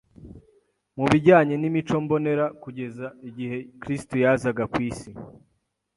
mu bijyanye n’imico mbonera kugeza igihe Kristo yazaga ku isi.